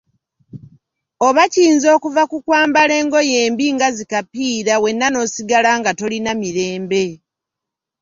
Oba kiyinza okuva ku kwambala engoye embi nga zi "kapiira" wenna n'osigala nga tolina mirembe.